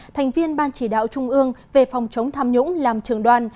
thành viên ban chỉ đạo trung ương về phòng chống tham nhũng làm trường đoàn